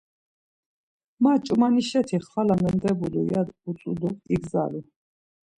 Ma ç̌umanişeti xvala mendebulur ya utzu do igzalu.